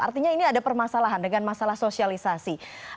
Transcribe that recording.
artinya ini ada permasalahan dengan masalah sosialisasi